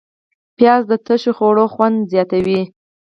پیاز د تشو خوړو خوند زیاتوي